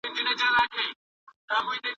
تاسو باید د مقالي لپاره یو منظم مهال ویش ولرئ.